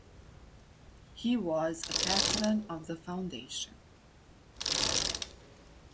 He was a Patron of the foundation.